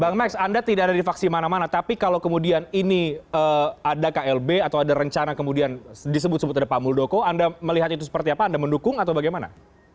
bang max anda tidak ada di faksi mana mana tapi kalau kemudian ini ada klb atau ada rencana kemudian disebut sebut ada pak muldoko anda melihat itu seperti apa anda mendukung atau bagaimana